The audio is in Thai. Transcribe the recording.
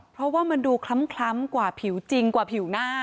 เพราะว่ามันดูคล้ำกว่าผิวจริงกว่าผิวหน้า